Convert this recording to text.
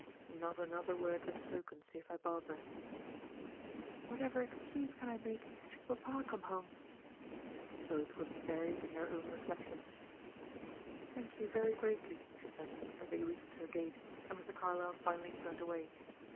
Not another word was spoken, save by Barbara. "Whatever excuse can I make, should papa come home?" Both were buried in their own reflections. "Thank you very greatly," she said as they reached her gate, and Mr. Carlyle finally turned away.